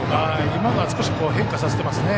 今のは少し変化させてます。